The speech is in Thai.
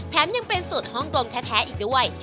ยังเป็นสูตรฮ่องกงแท้อีกด้วย